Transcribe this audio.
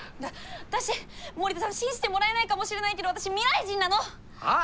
私森田さん信じてもらえないかもしれないけど私未来人なの。はあ？